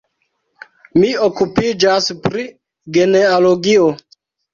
Mi okupiĝas pri genealogio.